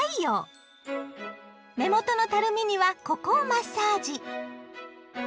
目元のたるみにはここをマッサージ。